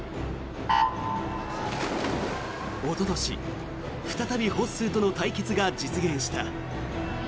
おととし、再びホッスーとの対決が実現した。